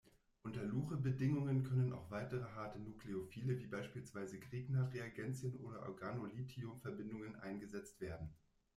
Unter Luche-Bedingungen können auch weitere harte Nukleophile, wie beispielsweise Grignard-Reagenzien oder Organolithium-Verbindungen eingesetzt werden.